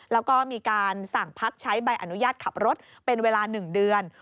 แล้วก็มีการสั่งพักใช้ใบอนุญาตขับรถเป็นเวลา๑เดือน